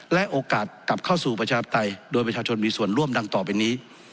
และโอกาสกลับเข้าสู่ประชาธิปไตยโดยประชาชนมีส่วนร่วมดังต่อไปนี้